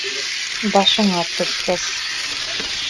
Башыңа төшкәс...